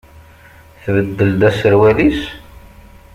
Tbeddel-d aserwal-is?